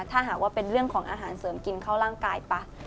ถ้าหากว่าเป็นเรื่องของอาหารเสริมกินเข้าร่างกายป่ะ